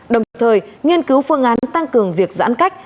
đồng thời nghiên cứu phương án tăng cường việc giãn cách